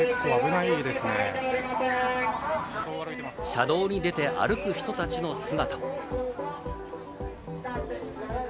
車道に出て歩く人たちの姿。